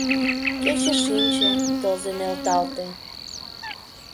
— Кече шинче, тылзе нӧлталте